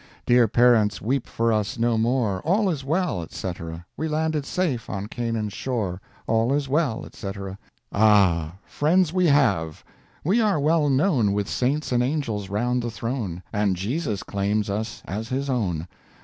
Dear parents weep for us no more, All is well, &c. We landed safe on Canaan's shore, All is well, &c. Ah! friends we have, we are well known With saints and angels round the throne, And Jesus claims us as his own.